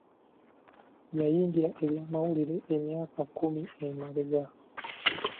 Yayingira ebyamawulira emyaka kkumi emabega.